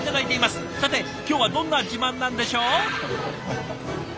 さて今日はどんな自慢なんでしょう？